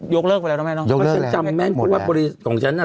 ยกเลิกไปแล้วนะแม่น้องยกเลิกแล้วจำแม้นเพราะว่าบริสิทธิ์ของฉันน่ะ